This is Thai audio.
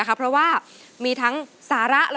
ขอบคุณครับ